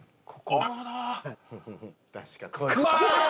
なるほど。